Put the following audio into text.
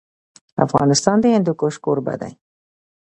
افغانستان د هندوکش کوربه دی.